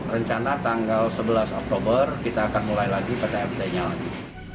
rencana tanggal sebelas oktober kita akan mulai lagi ptmt nya lagi